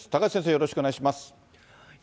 よろしくお願いします。